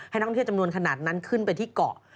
นักท่องเที่ยวจำนวนขนาดนั้นขึ้นไปที่เกาะ